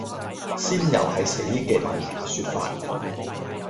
仙遊係死嘅文雅說法